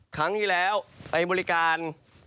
ครั้งที่แล้วไปบริการ